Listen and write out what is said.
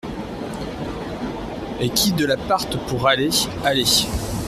Et qui de la partent pour aller, aller…